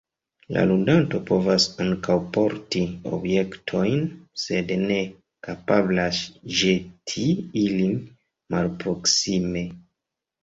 La ludanto povas ankaŭ porti objektojn, sed ne kapablas ĵeti ilin malproksime.